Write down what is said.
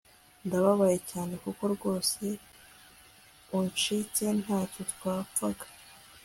ndababaye cyane kuko rwose unshitse ntacyo twapfaga